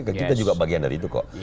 ke kita juga bagian dari itu kok